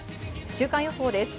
週間予報です。